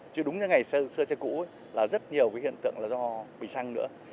chứ đúng như ngày xưa xe cũ là rất nhiều cái hiện tượng là do bị xăng nữa